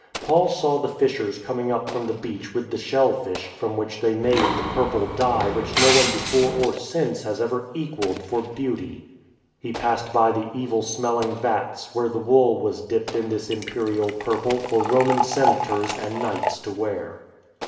Paul saw the fishers coming up from the beach with the shellfish, from which they made the purple dye which no one before or since has ever equalled for beauty. He passed by the evil smelling vats, where the wool was dipped in this imperial purple for Roman senators and knights to wear.